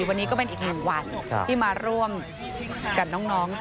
วันนี้ก็เป็นอีกหนึ่งวันที่มาร่วมกับน้อง